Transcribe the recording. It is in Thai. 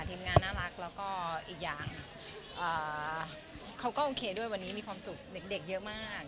ทีมงานน่ารักแล้วก็อีกอย่างเขาก็โอเคด้วยวันนี้มีความสุขเด็กเยอะมาก